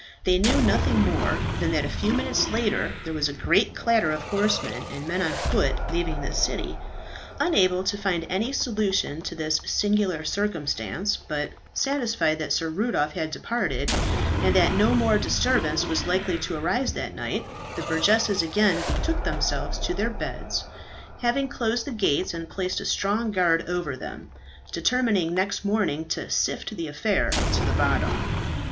They knew nothing more than that a few minutes later there was a great clatter of horsemen and men on foot leaving the city. Unable to find any solution to this singular circumstance, but satisfied that Sir Rudolph had departed, and that no more disturbance was likely to arise that night, the burgesses again betook themselves to their beds, having closed the gates and placed a strong guard over them, determining next morning to sift the affair to the bottom.